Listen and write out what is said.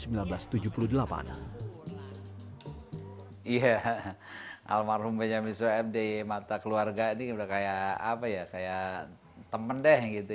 di rumah ini almarhum benjamin sueb di mata keluarga ini kayak teman deh